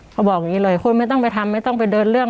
เขาบอกอย่างนี้เลยคุณไม่ต้องไปทำไม่ต้องไปเดินเรื่อง